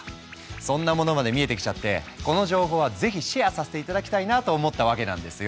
そんなものまで見えてきちゃってこの情報はぜひシェアさせて頂きたいなと思ったわけなんですよ！